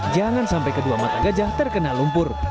jangan sampai kedua mata gajah terkena lumpur